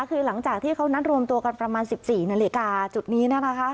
คือหลังจากที่เขานัดรวมตัวกันประมาณ๑๔นาฬิกาจุดนี้นะคะ